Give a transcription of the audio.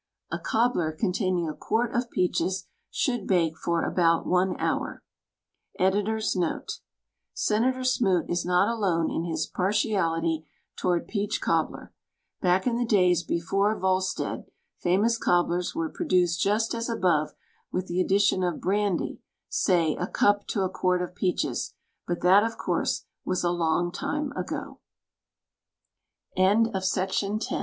A cobbler containing a quart of peaches should bake for about one hour. Editor's Note :— Senator Smoot is not alone in his par tiality toward peach cobbler. Back in the days before Vol stead, famous cobblers were produced just as above with the addition of brandy, say a cup to a quart of peache